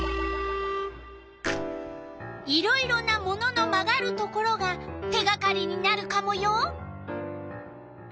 いろいろな物の曲がるところが手がかりになるカモよ。